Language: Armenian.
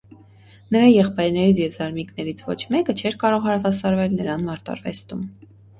Նրա եղբայրներից և զարմիկնեից ոչ մեկը չէր կարող հավասարվել նրան մարտարվեստում։